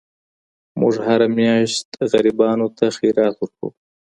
موږ هره میاشت غریبانو ته خیرات ورکوو.